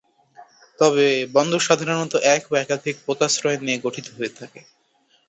তবে বন্দর সাধারণত এক বা একাধিক পোতাশ্রয় নিয়ে গঠিত হয়ে থাকে।